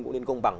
cũng nên công bằng